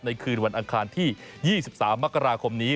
คืนวันอังคารที่๒๓มกราคมนี้